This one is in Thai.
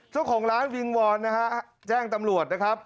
เจ้าของร้านวิงวอนนะฮะแจ้งตำรวจนะครับ